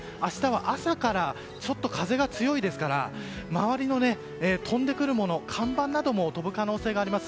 朝から風が強いですから周りから飛んでくるもの、看板などが飛ぶ可能性があります。